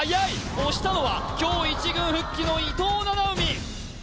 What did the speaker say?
押したのは今日１軍復帰の伊藤七海